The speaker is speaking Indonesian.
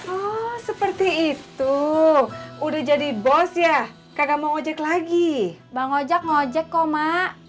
oh seperti itu udah jadi bos ya kagak mau ojek lagi bang ojek ngojek kok mak